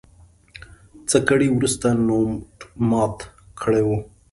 څه ګړی وروسته نوټ مات کړی و.